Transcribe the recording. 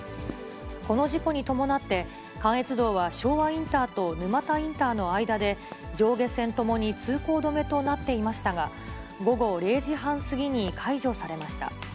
この事故に伴って、関越道は昭和インターと沼田インターの間で、上下線ともに通行止めとなっていましたが、午後０時半過ぎに解除されました。